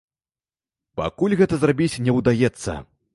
Пакуль гэта зрабіць не ўдаецца.